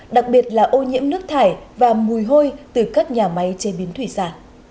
đặc biệt là ô nhiễm nước thải và mùi hôi từ các nhà máy chế biến thủy sản